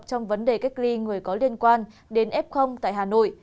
trong vấn đề cách ly người có liên quan đến f tại hà nội